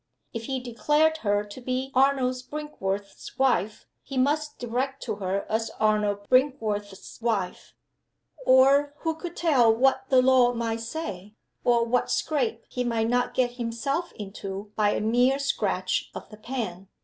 If he declared her to be Arnold Brinkworth's wife, he must direct to her as Arnold Brinkworth's wife; or who could tell what the law might say, or what scrape he might not get himself into by a mere scratch of the pen!